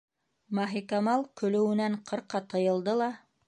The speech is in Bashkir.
Маһикамал көлөүенән ҡырҡа тыйылды ла: